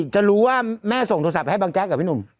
จะรู้ว่าแม่ส่งโทรศัพท์ให้บางแจ๊กกับพี่หนุ่ม